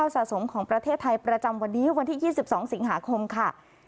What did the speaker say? สะสมของประเทศไทยประจำวันนี้วันที่๒๒สิงหาคมค่ะ